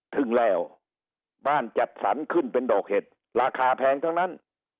ถึงแล้วบ้านจัดสรรขึ้นเป็นดอกเห็ดราคาแพงทั้งนั้น